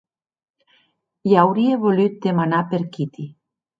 E aurie volut demanar per Kitty.